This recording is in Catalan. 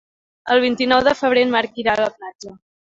El vint-i-nou de febrer en Marc irà a la platja.